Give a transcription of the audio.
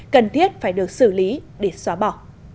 cần thiết phải được xử lý để xóa bỏ